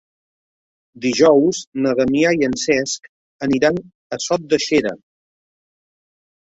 Dijous na Damià i en Cesc aniran a Sot de Xera.